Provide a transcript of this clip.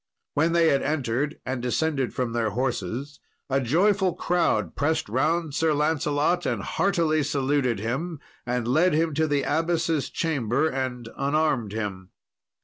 When they had entered, and descended from their horses, a joyful crowd pressed round Sir Lancelot and heartily saluted him, and led him to the abbess's chamber, and unarmed him.